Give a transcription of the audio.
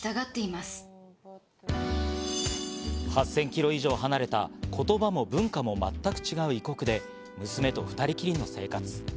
８０００キロ以上離れた、言葉も文化も全く違う異国で、娘と２人きりの生活。